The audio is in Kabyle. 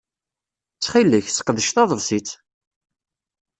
Ttxil-k, seqdec tadebsit!